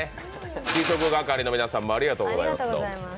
給食係の皆さんもありがとうございました。